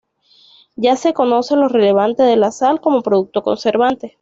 Ya se conoce lo relevante de la sal como producto conservante.